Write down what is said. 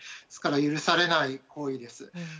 ですから、許されない行為です。